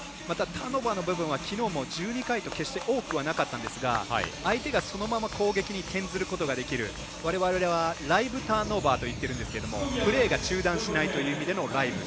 ターンオーバーはきのうは１２回と決して多くはなかったんですが相手が、そのまま攻撃に転じることができるわれわれはライブターンオーバーといっているんですがプレーが中断しないという意味でのライブ。